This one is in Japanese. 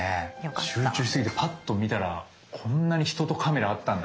集中しすぎてパッと見たらこんなに人とカメラあったんだ。